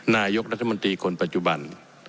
นายกรัฐมนตรีคนปัจจุบัน